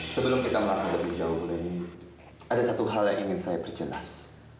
sebelum kita melakukan lebih jauh lagi ada satu hal yang ingin saya perjelas